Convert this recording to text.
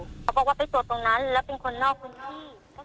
เขาบอกว่าไปตรวจตรงนั้นแล้วเป็นคนนอกพื้นที่